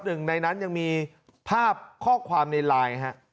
หนึ่งในนั้นยังมีภาพข้อความในไลน์ฮะ